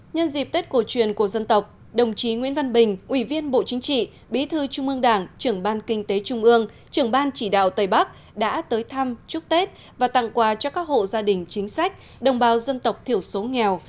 nhân dịp tết cổ truyền của dân tộc đồng chí nguyễn văn bình ủy viên bộ chính trị bí thư trung ương đảng trưởng ban kinh tế trung ương trưởng ban chỉ đạo tây bắc đã tới thăm chúc tết và tặng quà cho các hộ gia đình chính sách đồng bào dân tộc thiểu số nghèo